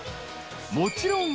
［もちろん］